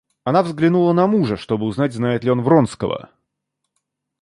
Она взглянула на мужа, чтоб узнать, знает ли он Вронского.